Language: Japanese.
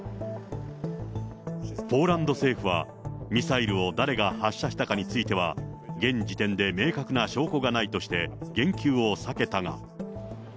ポーランド政府は、ミサイルを誰が発射したかについては、現時点で明確な証拠がないとして、言及を避けたが。